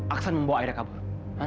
aksan membawa aida kabur